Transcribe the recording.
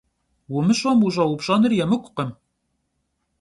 Vumış'em vuş'eupş'enır yêmık'ukhım.